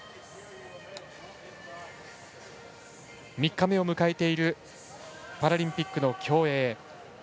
３日目を迎えているパラリンピックの競泳。